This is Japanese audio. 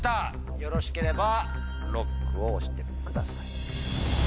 よろしければＬＯＣＫを押してください。